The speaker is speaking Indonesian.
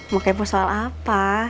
mau kepo soal apa